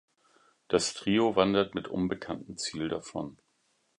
Das Trio wandert mit unbekanntem Ziel davon.